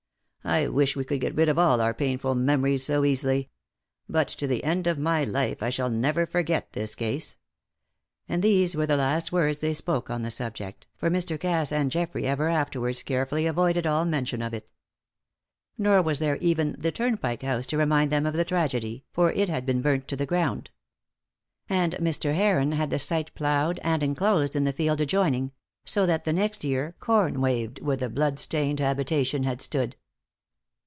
I wish we could get rid of all our painful memories so easily!" But to the end of my life I shall never forget this case. And these were the last words they spoke on the subject, for both Mr. Cass and Geoffrey ever afterwards carefully avoided all mention of it. Nor was there even the Turnpike House to remind them of the tragedy, for it had been burnt to the ground. And Mr. Heron had the site ploughed and enclosed in the field adjoining; so that the next year corn waved where the blood stained habitation had stood.